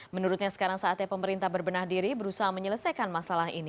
menurutnya sekarang saatnya pemerintah berbenah diri berusaha menyelesaikan masalah ini